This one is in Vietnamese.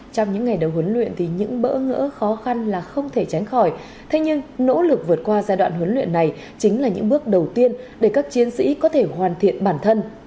trong những ngày đầu huấn luyện thì những bỡ ngỡ khó khăn là không thể tránh khỏi thế nhưng nỗ lực vượt qua giai đoạn huấn luyện này chính là những bước đầu tiên để các chiến sĩ có thể hoàn thiện bản thân